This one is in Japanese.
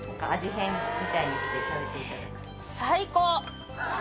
変みたいにして食べていただくと最高！